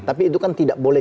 tapi itu kan tidak boleh